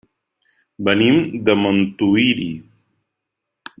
Venim de Montuïri.